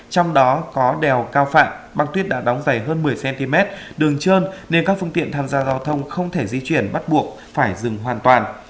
trong đó có đèo cao phạm băng tuyết đã đóng dày hơn một mươi cm đường trơn nên các phương tiện tham gia giao thông không thể di chuyển bắt buộc phải dừng hoàn toàn